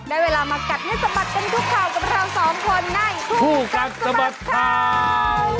ได้เวลามากัดให้สะบัดกันทุกข่าวกับเราสองคนในคู่กัดสะบัดข่าว